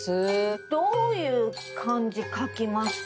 どういう漢字書きますか？